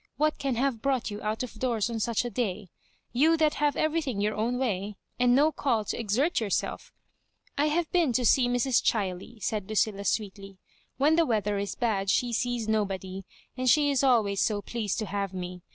What can have brought you out of doors on such a day ? You that have everything your own way, and no call to exert yourself s— "*' I have been to see Mrs. Chiley," said Lucilla, sweetly; *'when the weather is bad she sees nobody, and she is always so pleased to have me.